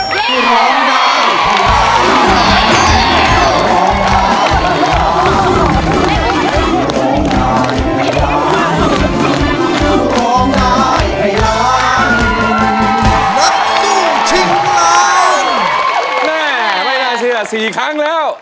ได้กัน